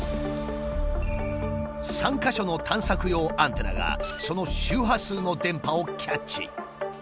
３か所の探索用アンテナがその周波数の電波をキャッチ。